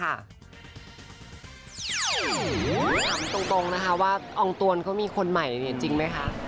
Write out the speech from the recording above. ถามตรงนะคะว่าอองตวนเขามีคนใหม่จริงไหมคะ